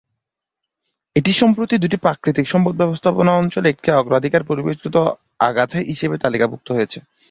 এটি সম্প্রতি দুটি প্রাকৃতিক সম্পদ ব্যবস্থাপনা অঞ্চলে একটি অগ্রাধিকার পরিবেশগত আগাছা হিসাবে তালিকাভুক্ত হয়েছে।